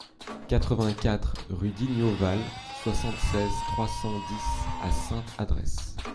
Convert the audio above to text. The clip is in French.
quatre-vingt-quatre rue d'Ignauval, soixante-seize, trois cent dix à Sainte-Adresse